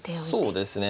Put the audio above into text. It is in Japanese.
そうですね。